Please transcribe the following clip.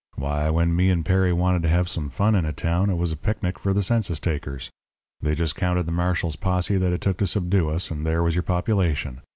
Why, when me and Perry wanted to have some fun in a town it was a picnic for the census takers. They just counted the marshal's posse that it took to subdue us, and there was your population.